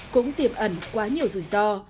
cũng tiềm ẩn quá nhiều rủi ro